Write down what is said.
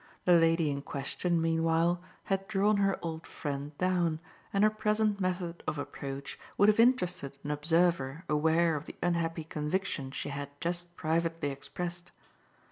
The lady in question meanwhile had drawn her old friend down, and her present method of approach would have interested an observer aware of the unhappy conviction she had just privately expressed.